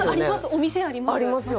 お店あります。